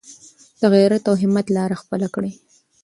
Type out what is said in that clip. د غیرت او همت لاره خپله کړئ.